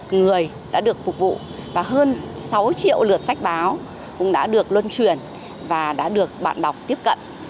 sáu triệu lượt người đã được phục vụ và hơn sáu triệu lượt sách báo cũng đã được luân truyền và đã được bạn đọc tiếp cận